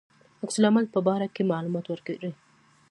عکس العمل په باره کې معلومات ورکړي.